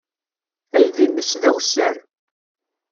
Aydi-nnes d awessar.